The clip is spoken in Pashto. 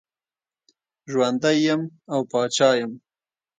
ژوندی یم او پاچا یم.